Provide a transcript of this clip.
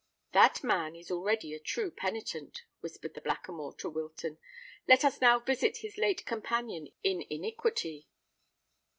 "That man is already a true penitent," whispered the Blackamoor to Wilton. "Let us now visit his late companion in iniquity."